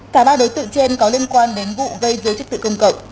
cả ba đối tượng trên có liên quan đến vụ gây dối chất tự công cộng